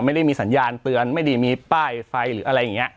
ไม่ได้มีสัญญาณเตือนไม่ได้มีป้ายไฟหรืออะไรอย่างนี้